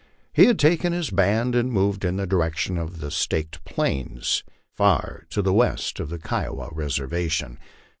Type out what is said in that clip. He had taken his band and moved in the direc tion of the Staked Plains, far to the west of the Kiowa reservation.